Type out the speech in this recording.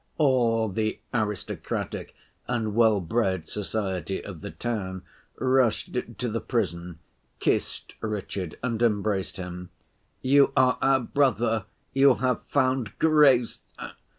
All the aristocratic and well‐bred society of the town rushed to the prison, kissed Richard and embraced him; 'You are our brother, you have found grace.